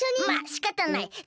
まあしかたない。